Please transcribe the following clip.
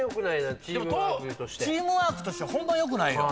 チームワークとしてホンマ良くないよ。